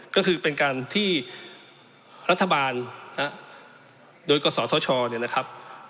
ก็คือเป็นการที่รัฐบาลโดยกศธชเนี่ยนะครับ